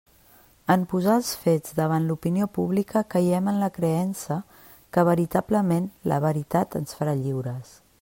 En posar els fets davant l'opinió pública caiem en la creença que veritablement «la veritat ens farà lliures».